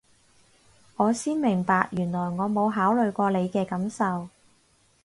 我先明白原來我冇考慮過你嘅感受